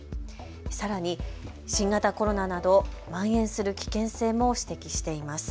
さらに新型コロナなどまん延する危険性も指摘しています。